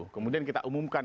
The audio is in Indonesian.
kemudian kita umumkan